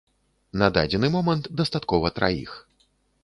На дадзены момант дастаткова траіх.